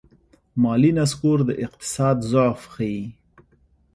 مالي نسکور د اقتصاد ضعف ښيي.